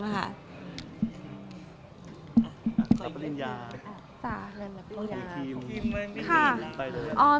วง